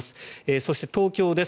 そして、東京です。